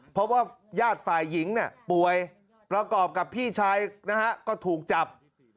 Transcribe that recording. เพราะว่าญาติฝ่ายหญิงป่วยประกอบกับพี่ชายนะฮะก็ถูกจับ